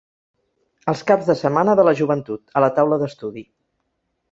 Els caps de setmana de la joventut, a la taula d'estudi.